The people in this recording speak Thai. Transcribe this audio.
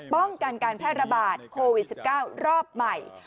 ป้องกันการแพร่ระบาดโควิด๑๙รอบใหม่